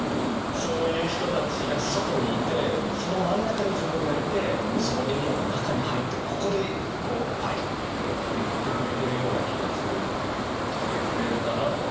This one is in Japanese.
そういう人たちが外にいてその真ん中に自分がいてそのエリアの中に入ってここでこう「ファイト！」って言ってくれてるような気がするそういうフレーズだなと思って。